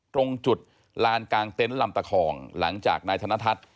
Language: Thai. ตรงจุดลานกลางเต็นต์ลำตะคองหลังจากนายธนทัศน์